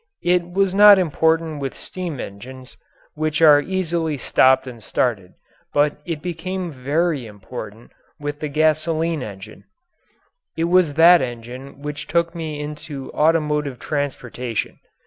It was not important with steam engines, which are easily stopped and started, but it became very important with the gasoline engine. It was that engine which took me into automotive transportation.